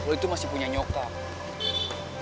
gue itu masih punya nyokap